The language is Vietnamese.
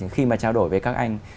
khi mà trao đổi với các anh